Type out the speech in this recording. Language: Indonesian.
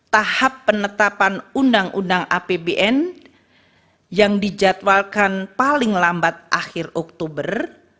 tahap penetapan undang undang apbn yang dijadwalkan paling lambat akhir oktober